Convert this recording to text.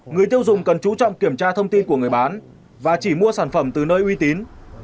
người tiêu dùng cần chú trọng kiểm tra thông tin của người bán và chỉ mua sản phẩm từ nơi uy tín